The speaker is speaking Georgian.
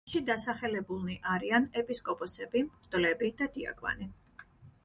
მასში დასახელებულნი არიან ეპისკოპოსები, მღვდლები და დიაკვანი.